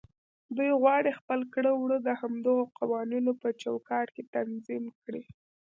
دوی غواړي خپل کړه وړه د همدغو قوانينو په چوکاټ کې تنظيم کړي.